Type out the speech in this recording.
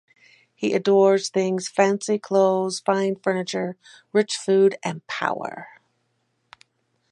He adores things-fancy clothes, fine furniture, rich food-and power.